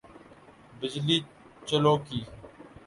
بجلی چالو کی